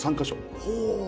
ほう。